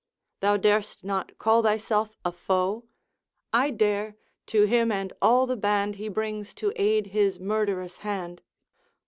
'Thou dar'st not call thyself a foe?' 'I dare! to him and all the band He brings to aid his murderous hand.'